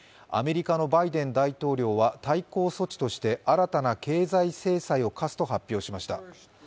アメリカのバイデン大統領は対抗措置として新たな経済制裁を科すと発表しました。